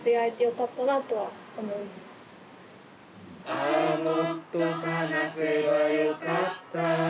「ああもっと話せば良かった」